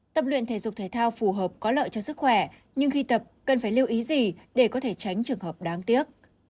tập luyện thể dục thể thao phù hợp có lợi cho sức khỏe nhưng khi tập cần phải lưu ý gì để có thể tránh trường hợp đáng tiếc